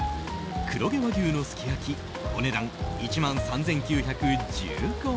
黒毛和牛のすき焼きお値段１万３９１５円。